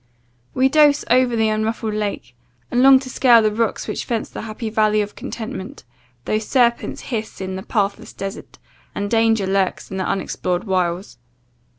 We dose over the unruffled lake, and long to scale the rocks which fence the happy valley of contentment, though serpents hiss in the pathless desert, and danger lurks in the unexplored wiles.